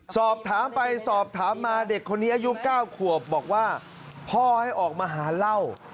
สอบถามไปสอบถามมาเด็กคนนี้อายุ๙ขวบบอกว่าพ่อให้ออกมาหาเหล้า